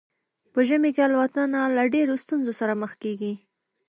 په ژمي کې الوتنه له ډیرو ستونزو سره مخ کیږي